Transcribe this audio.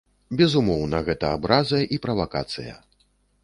Безумоўна, гэта абраза і правакацыя.